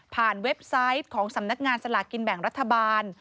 เว็บไซต์ของสำนักงานสลากินแบ่งรัฐบาล